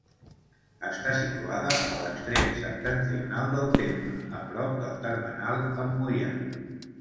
Està situada a l'extrem septentrional del terme, a prop del termenal amb Moià.